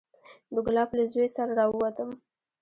د ګلاب له زوى سره راووتم.